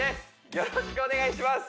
よろしくお願いします